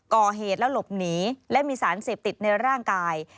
ก่อเหตุแล้วหลบหนีและมีสารเสพติดในร่างกาย